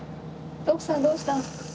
徳さんどうした？